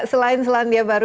selain selandia baru